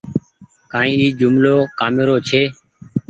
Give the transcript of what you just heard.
ڪآئي اي جملو ڪآمي رو ڇي۔